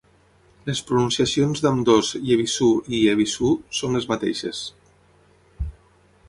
Les pronunciacions d'ambdós "Yebisu" i "Ebisu" són les mateixes.